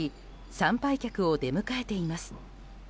参拝客を出迎えています。